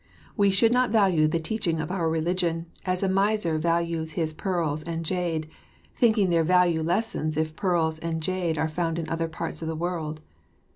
We should not value the teaching of our religion "as a miser values his pearls and jade, thinking their value lessened if pearls and jade are found in other parts of the world."